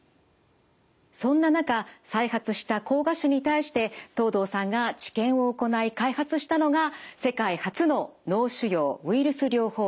そんな中再発した膠芽腫に対して藤堂さんが治験を行い開発したのが世界初の脳腫瘍ウイルス療法薬です。